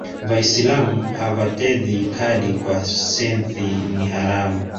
Vaisilamu havatedhi kadi kwa sen'thi. Ni haramu